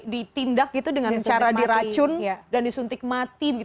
ditindak gitu dengan cara diracun dan disuntik mati